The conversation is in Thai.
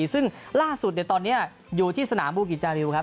ซึ่งล่าสุดตอนนี้อยู่ที่สนามบูกิจจาริวครับ